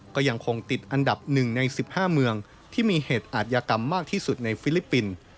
ก็ยังคงติดอันดับ๑ใน๑๕เมืองที่มีเหตุอาทยากรรมมากที่สุดในฟิลิปปินส์